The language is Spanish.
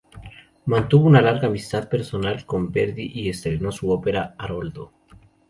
Mantuvo una larga amistad personal con Verdi, y estrenó su ópera Aroldo.